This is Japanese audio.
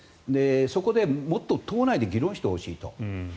そこでもっと党内で議論してほしいと。